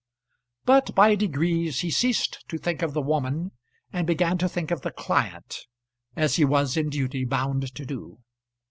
But by degrees he ceased to think of the woman and began to think of the client, as he was in duty bound to do.